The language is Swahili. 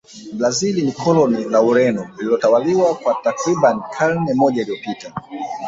brazil ni koloni la ureno lililotawaliwa kwa takribani karne moja iliyopita